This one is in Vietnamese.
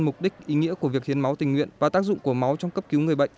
mục đích ý nghĩa của việc hiến máu tình nguyện và tác dụng của máu trong cấp cứu người bệnh